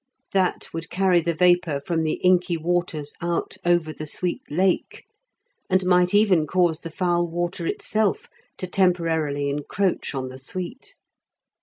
That would carry the vapour from the inky waters out over the sweet Lake, and might even cause the foul water itself to temporarily encroach on the sweet.